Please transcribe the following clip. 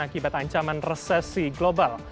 akibat ancaman resesi global